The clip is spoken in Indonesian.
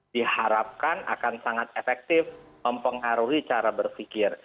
diharapkan akan sangat efektif mempengaruhi cara berpikir